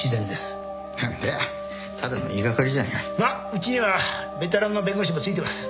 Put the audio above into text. まあうちにはベテランの弁護士もついてます。